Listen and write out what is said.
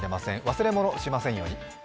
忘れ物しませんように。